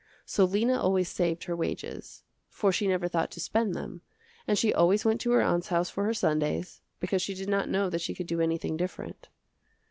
So Lena always saved her wages, for she never thought to spend them, and she always went to her aunt's house for her Sundays because she did not know that she could do anything different.